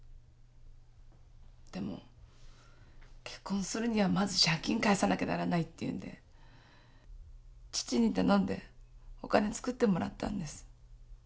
でも結婚するにはまず借金返さなきゃならないっていうんで父に頼んでお金作ってもらったんです。